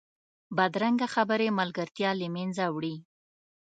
بدرنګه خبرې ملګرتیا له منځه وړي